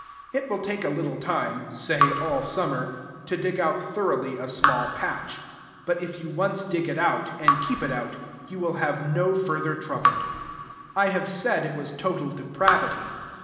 It will take a little time, say all summer, to dig out thoroughly a small patch; but if you once dig it out, and keep it out, you will have no further trouble. I have said it was total depravity.